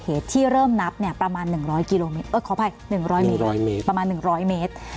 ประมาณ๑๐๐เมตร